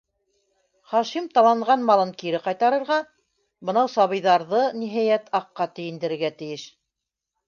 Хашим таланған малын кире ҡайтарырға, бынау сабыйҙарҙы, ниһайәт, аҡҡа тейендерергә тейеш.